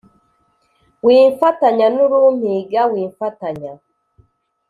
Wimfatanya n’urumpiga wimfatanya